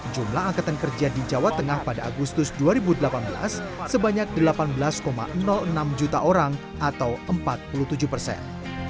jumlah angkatan kerja di jawa tengah pada agustus dua ribu delapan belas sebanyak delapan belas enam juta orang atau empat puluh tujuh persen